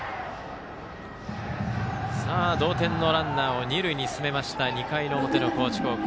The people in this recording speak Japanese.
同点のランナーを二塁に進めました２回の表の高知高校。